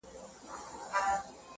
په ګوزار یې د مرغه زړګی خبر کړ٫